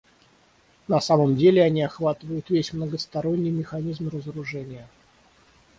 На самом деле они охватывают весь многосторонний механизм разоружения.